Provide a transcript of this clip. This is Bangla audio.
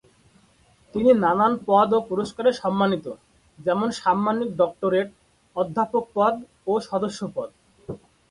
তিনি নানান পদ ও পুরস্কারে সম্মানিত, যেমন, সাম্মানিক ডক্টরেট, অধ্যাপক পদ ও সদস্য পদ।